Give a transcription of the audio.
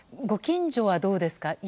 ご近所はどうですか？